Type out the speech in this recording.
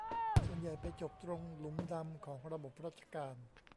ส่วนใหญ่ไปจบตรงหลุมดำของระบบราชการ